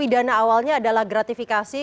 pidana awalnya adalah gratifikasi